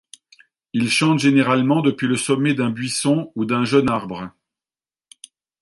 Il chante généralement depuis le sommet d'un buisson ou d'un jeune arbre.